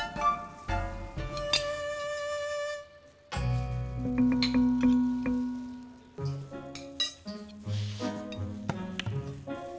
bisa tunggu sebentar kan bang